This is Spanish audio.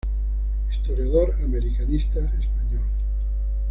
Historiador americanista español.